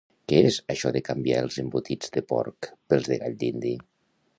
Què és això de canviar els embotits de porc pels de gall dindi?